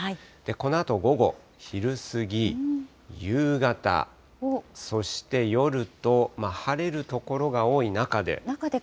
このあと午後、昼過ぎ、夕方、そして夜と、晴れる所が多い中で。